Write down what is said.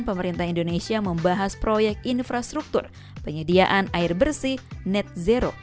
pemerintah indonesia membahas proyek infrastruktur penyediaan air bersih net zero